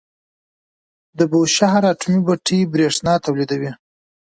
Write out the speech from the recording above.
د بوشهر اټومي بټۍ بریښنا تولیدوي.